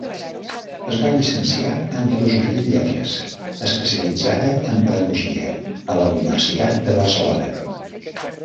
Es va llicenciar en Filosofia i lletres, especialitzada en pedagogia, a la Universitat de Barcelona.